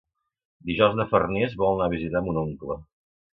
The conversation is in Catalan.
Dijous na Farners vol anar a visitar mon oncle.